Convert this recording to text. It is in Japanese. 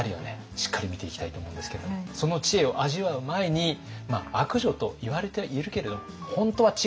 しっかり見ていきたいと思うんですけどその知恵を味わう前に悪女といわれてはいるけれど本当は違ったかもしれない。